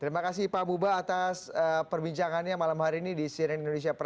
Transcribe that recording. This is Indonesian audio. terima kasih pak buba atas perbincangannya malam hari ini di siren indonesia prasar